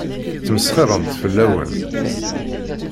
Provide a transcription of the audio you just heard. Ttmesxiṛent fell-awen.